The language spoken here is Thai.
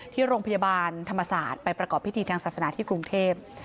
ที่โรงพยาบาลธรรมศาสตร์ไปประกอบพิธีทางศาสนาที่กรุงเทพ